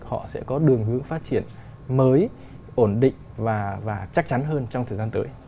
họ sẽ có đường hướng phát triển mới ổn định và chắc chắn hơn trong thời gian tới